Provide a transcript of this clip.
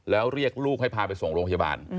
แล้วเรียกลูกให้พาไปส่งโรงพยาบาล